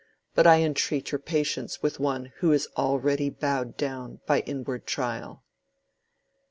But I entreat your patience with one who is already bowed down by inward trial."